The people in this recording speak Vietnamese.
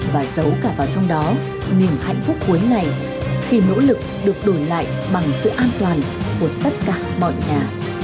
và giấu cả vào trong đó niềm hạnh phúc cuối ngày khi nỗ lực được đổi lại bằng sự an toàn của tất cả mọi nhà